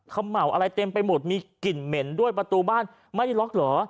เขม่าอะไรเต็มไปหมดมีกลิ่นเหม็นด้วยประตูบ้านไม่ได้ล็อกเหรอ